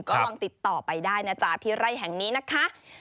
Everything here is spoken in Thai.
ก็ลองติดต่อไปได้นะจ๊ะที่ไร่แห่งนี้นะคะ